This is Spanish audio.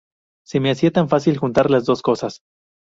Se me hacía tan fácil juntar las dos cosas.